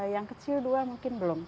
yang kecil dua mungkin belum